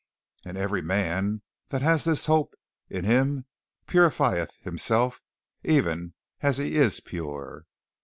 "And every man that has this hope in him purifieth himself even as He is pure."